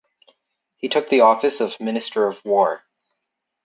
He took the office of Minister of War.